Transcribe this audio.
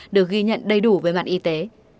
được ghi nhận đầy đủ với mạng y tế